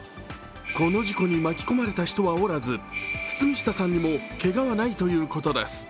この事故に巻き込まれた人はおらず、堤下さんはけがはないということです。